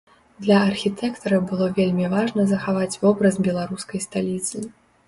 Для архітэктара было вельмі важна захаваць вобраз беларускай сталіцы.